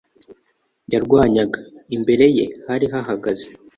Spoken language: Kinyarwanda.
yarwanyaga. imbere ye hari hahagaze